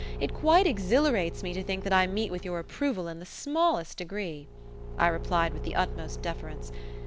It quite exhilarates me to think that I meet with your approval in the smallest degree," I replied with the utmost deference.